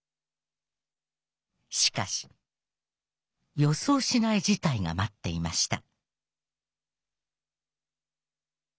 しかし、予想しない事態が待っていました。